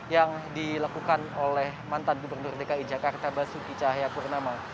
yang dilakukan oleh mantan gubernur dki jakarta basuki cahayapurnama